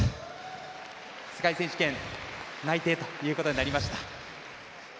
世界選手権内定ということになりました。